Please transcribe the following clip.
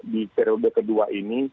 di periode kedua ini